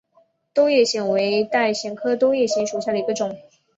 兜叶藓为带藓科兜叶藓属下的一个种。